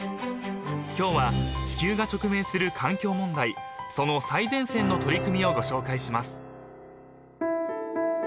［今日は地球が直面する環境問題その最前線の取り組みをご紹介します］